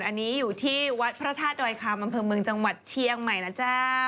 อันนี้อยู่ที่วัดพระธาตุดอยคำอำเภอเมืองจังหวัดเชียงใหม่นะจ๊ะ